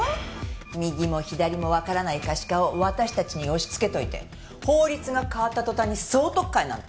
右も左もわからない可視化を私たちに押しつけておいて法律が変わった途端に総取っ換えなんて。